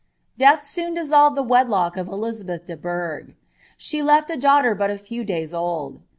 "■ Death soon dissolved the wedlock of Elizabtrth de Burgh : she left » daughter but a few days old.